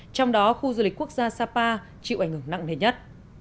trong đó khu du lịch quốc gia sapa chịu ảnh hưởng nặng nề nhất